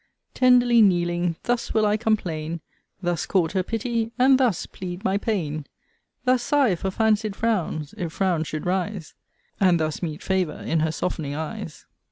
Tenderly kneeling, thus will I complain: Thus court her pity; and thus plead my pain: Thus sigh for fancy'd frowns, if frowns should rise; And thus meet favour in her soft'ning eyes.